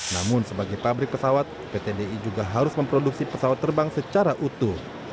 namun sebagai pabrik pesawat pt di juga harus memproduksi pesawat terbang secara utuh